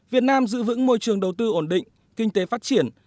việt nam giữ vững môi trường đầu tư ổn định kinh tế phát triển